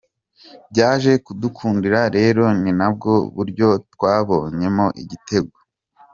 Byaje kudukundira rero ni nabwo buryo twabonyemo igitego”.